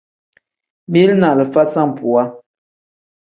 Mili ni alifa sambuwa.